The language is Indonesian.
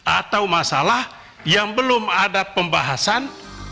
atau masalah yang belum ada pembahasan